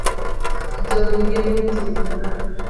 Jogi riembo mtokni ma